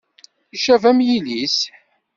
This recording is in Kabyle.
Icab am yilis.